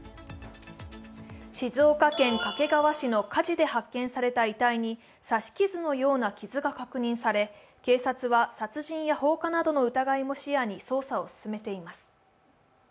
静岡県掛川市の火事で発見された遺体に刺し傷のような傷が確認され警察は殺人や放火などの疑いも視野に捜査を進めています。